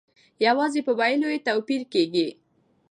یوازې په ویلو کې یې توپیر کیږي.